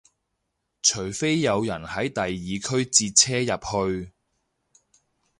除非有人喺第二區截車入去